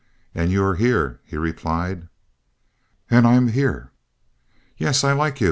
"And you're here," he replied. "And I'm here?" "Yes. I like you.